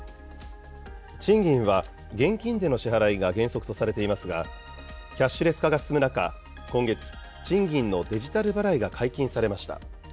賃金は現金での支払いが原則とされていますが、キャッシュレス化が進む中、今月、賃金のデジタル払いが解禁されました。